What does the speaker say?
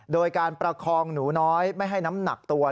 โดยการประคองหนูน้อยไม่ให้น้ำหนักตัว